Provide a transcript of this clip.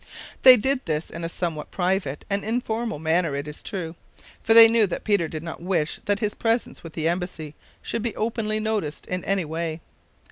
They did this in a somewhat private and informal manner, it is true, for they knew that Peter did not wish that his presence with the embassy should be openly noticed in any way.